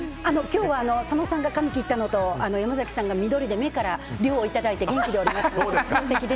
今日は佐野さんが髪切ったのと山崎さんが目から涼をいただく元気でおりますので。